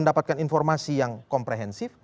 mendapatkan informasi yang komprehensif